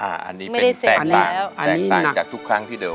อันนี้เป็นแตกต่างแตกต่างจากทุกครั้งที่เดิม